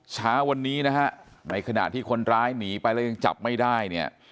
เช้าวันนี้นะฮะในขณะที่คนร้ายหนีไปแล้วยังจับไม่ได้เนี่ย